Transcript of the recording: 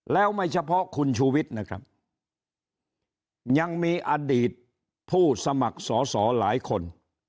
แล้วไม่เฉพาะคุณชูวิทย์นะครับยังมีอดีตผู้สมัครสอสอหลายคน